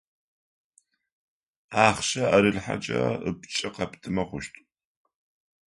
Ахъщэ ӏэрылъхьэкӏэ ыпкӏэ къэптымэ хъущт.